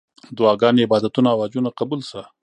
دعاګانې، عبادتونه او حجونه قبول سه.